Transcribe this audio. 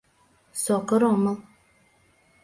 — Сокыр омыл.